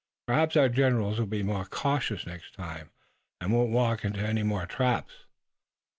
Perhaps our generals will be more cautious next time, and won't walk into any more traps.